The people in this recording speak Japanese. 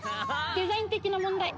デザイン的な問題。